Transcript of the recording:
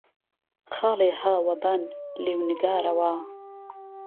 خاڵێ ها وه بان، لێو نگارهوه